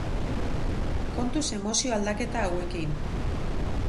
Kontuz emozio aldaketa hauekin!